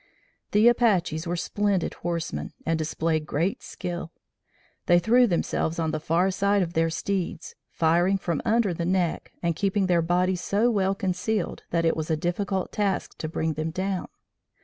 The Apaches were splendid horsemen and displayed great skill. They threw themselves on the far side of their steeds, firing from under the neck, and keeping their bodies so well concealed that it was a difficult task to bring them down.